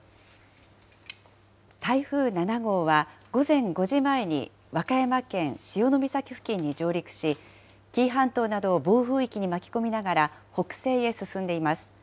台風７号は午前５時前に和歌山県潮岬付近に上陸し、紀伊半島などを暴風域に巻き込みながら、北西へ進んでいます。